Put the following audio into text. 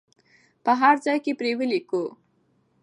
په هر ځای کې پرې ولیکو.